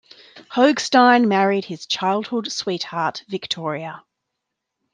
Hogestyn married his childhood sweetheart Victoria.